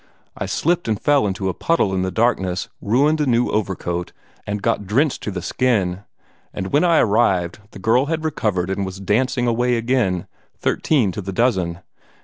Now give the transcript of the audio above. I slipped and fell into a puddle in the darkness, ruined a new overcoat, and got drenched to the skin; and when I arrived the girl had recovered and was dancing away again, thirteen to the dozen.